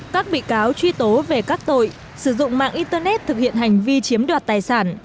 các bị cáo truy tố về các tội sử dụng mạng internet thực hiện hành vi chiếm đoạt tài sản